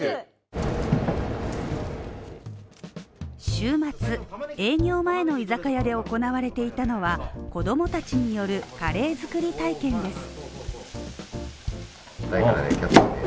週末、営業前の居酒屋で行われていたのは、子供たちによるカレー作り体験です。